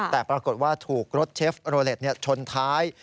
แต่ปรากฏว่าถูกรถเชฟโรเล็ตชนท้าย